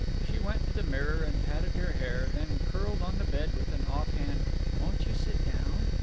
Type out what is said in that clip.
She went to the mirror and patted her hair, then curled on the bed, with an offhand "Won't you sit down?"